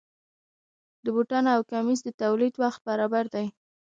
د بوټانو او کمیس د تولید وخت برابر دی.